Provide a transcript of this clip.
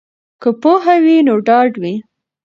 که پوهه وي نو ډاډ وي.